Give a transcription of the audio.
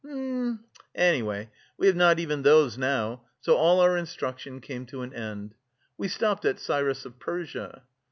hm, anyway we have not even those now, so all our instruction came to an end. We stopped at Cyrus of Persia.